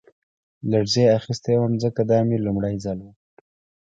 لړزې اخیستی وم ځکه دا مې لومړی ځل و